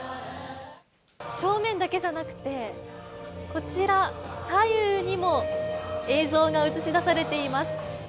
正面だけじゃなくて、こちら、左右にも映像が映し出されています。